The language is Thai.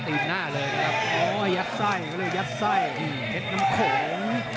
ต้องออกครับอาวุธต้องขยันด้วย